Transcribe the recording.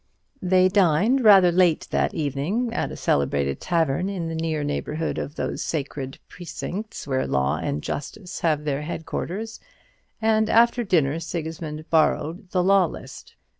They dined rather late in the evening at a celebrated tavern in the near neighbourhood of those sacred precincts where law and justice have their head quarters, and after dinner Sigismund borrowed the "Law List."